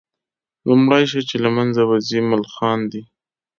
لومړى شى چي له منځه به ځي ملخان دي